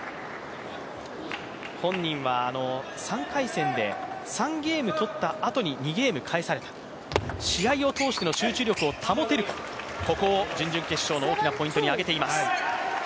本人は３回戦で３ゲーム取ったあとに２ゲーム返された、試合を通しての集中力を保てるか、ここを準々決勝の大きなポイントに挙げています。